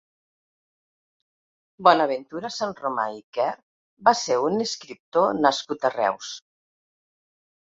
Bonaventura Sanromà i Quer va ser un escriptor nascut a Reus.